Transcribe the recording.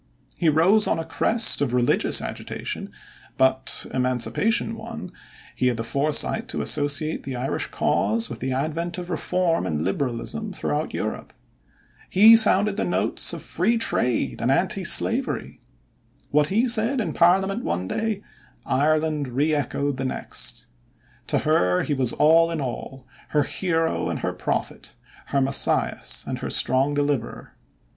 He rose on the crest of a religious agitation, but, Emancipation won, he had the foresight to associate the Irish cause with the advent of Reform and Liberalism throughout Europe. He sounded the notes of free trade and anti slavery. What he said in parliament one day, Ireland re echoed the next. To her he was all in all, her hero and her prophet, her Messias and her strong deliverer.